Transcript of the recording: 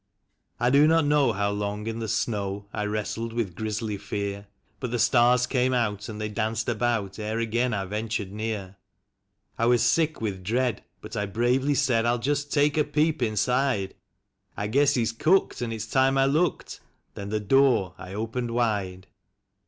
I do not know how long in the snow I wrestled with grisly fear; But the stars came out and they danced about ere again I ventured near; I was sick with dread, but I bravely said :" I'll just take a peep inside. I guess he's cooked, and it's time I looked," ... then the door I opened wide.